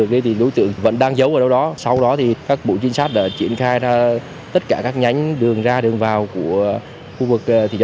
công an huyện cromana tỉnh đắk lắc nhận tin báo của anh nguyễn văn thỏa